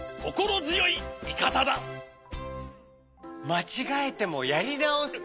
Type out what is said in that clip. まちがえてもやりなおせる。